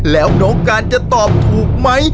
แล้วน้องการจะตอบถูกไหม